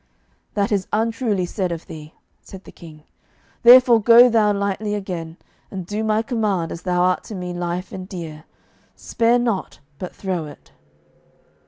"That is untruly said of thee," said the King; "therefore go thou lightly again, and do my command as thou art to me lief and dear; spare not, but throw it."